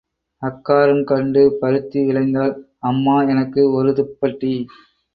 அக்காரம் கண்டு பருத்தி விளைந்தால் அம்மா எனக்கு ஒருதுப்பட்டி.